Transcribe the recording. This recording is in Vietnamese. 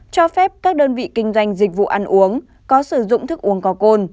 cho phép các đơn vị kinh doanh dịch vụ ăn uống có sử dụng thức uống có cồn